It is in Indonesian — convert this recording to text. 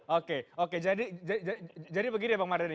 oke oke jadi begini pak mardeni